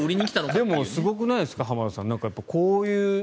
でも、すごくないですか浜田さん。